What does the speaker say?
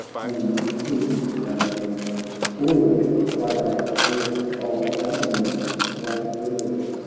' and he could no more. Awed by that voice of agony, that word.